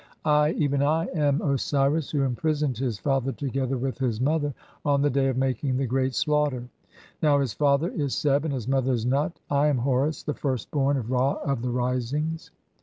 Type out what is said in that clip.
I, even I, "am Osiris who imprisoned his father together with his mother "(8) on the day of making the great slaughter ; now, [his] father "is Seb, and [his] mother is Nut. I am Horus, the first born of "Ra of the risings.